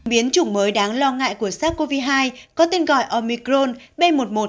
biến chủng mới đáng lo ngại của sars cov hai có tên gọi omicron b một một năm trăm hai mươi chín